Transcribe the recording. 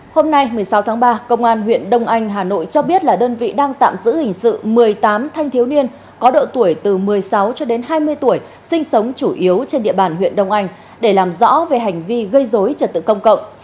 hôm nay một mươi sáu tháng ba công an huyện đông anh hà nội cho biết là đơn vị đang tạm giữ hình sự một mươi tám thanh thiếu niên có độ tuổi từ một mươi sáu cho đến hai mươi tuổi sinh sống chủ yếu trên địa bàn huyện đông anh để làm rõ về hành vi gây dối trật tự công cộng